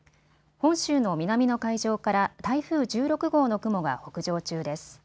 本州の南の海上から台風１６号の雲が北上中です。